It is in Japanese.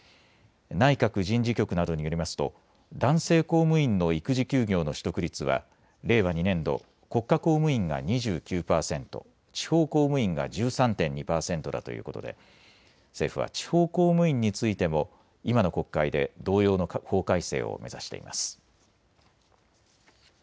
内閣人事局などによりますと男性公務員の育児休業の取得率は令和２年度、国家公務員が２９％、地方公務員が１３．２％だということで政府は地方公務員についても今の国会で同様の法改正を目指しています。